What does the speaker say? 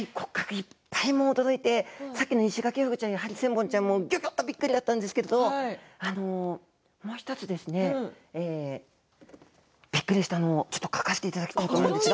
いっぱい骨格が届いてさっきのイシガキフグがハリセンボンちゃんもびっくりだったんですけどもう１つ、びっくりしたのを描かせていただきたいと思います。